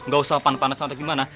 gak usah pan panas atau gimana